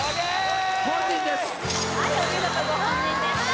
はいお見事ご本人でした・